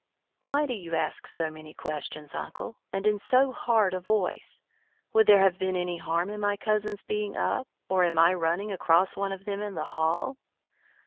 "Why do you ask so many questions, uncle, and in so hard a voice? Would there have been any harm in my cousins being up, or in my running across one of them in the hall?"